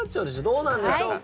どうなんでしょうか？